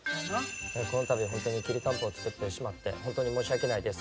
この度はホントにきりたんぽを作ってしまって本当に申し訳ないです。